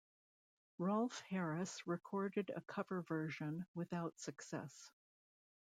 Rolf Harris recorded a cover version without success.